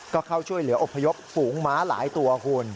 ก็เข้าช่วยเหลืออพยพฝูงม้าหลายตัวคุณ